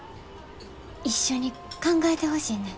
一緒に考えてほしいねん。